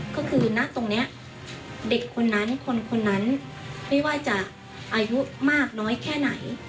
ก็คือณตรงนี้เด็กคนนั้นคนคนนั้นไม่ว่าจะอายุมากน้อยแค่ไหน